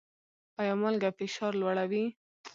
ایا مالګه فشار لوړوي؟